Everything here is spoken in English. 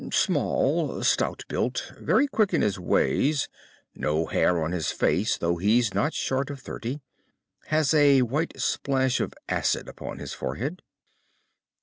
"Small, stout built, very quick in his ways, no hair on his face, though he's not short of thirty. Has a white splash of acid upon his forehead."